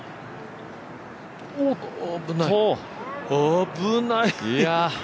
危ない。